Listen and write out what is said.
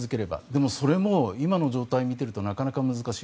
でも、それも今の状態を見ているとなかなか難しい。